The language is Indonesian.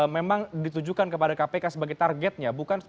memang ditujukan kepada kpk sebagai targetnya